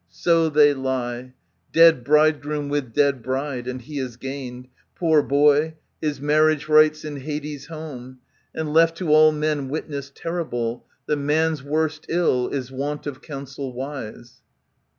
So they lie. Dead bridegroom with dead bride, and he has gained, Poor boy, his marriage rites in Hades' home, ^^^ And left to all men witness terrible. That man's worst ill is want of counsel wise.